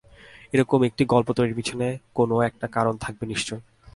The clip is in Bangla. এই রকম একটা গল্প তৈরির পিছনে কোনো একটা কারণ থাকবে নিশ্চয়ই!